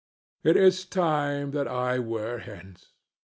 It is time that I were hence.